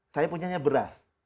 saya punya beras